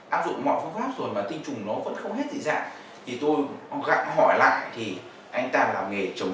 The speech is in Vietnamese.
áp dụng mọi phương pháp rồi mà tinh trùng nó vẫn không hết dị dạng thì tôi gặp hỏi lại thì anh ta làm nghề trồng